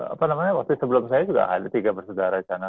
apa namanya waktu sebelum saya juga ada tiga bersaudara di sana